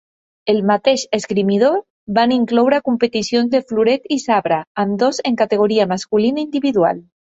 Ell mateix esgrimidor, van incloure competicions de floret i sabre, ambdós en categoria masculina individual.